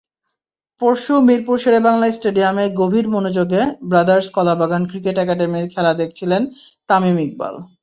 পরশু মিরপুর শেরেবাংলা স্টেডিয়ামে গভীর মনোযোগে ব্রাদার্স-কলাবাগান ক্রিকেট একাডেমির খেলা দেখছিলেন তামিম ইকবাল।